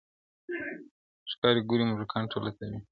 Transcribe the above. ښکاري ګوري موږکان ټوله تاوېږي,